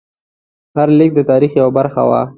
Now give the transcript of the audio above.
هر لیک د تاریخ یوه برخه وه.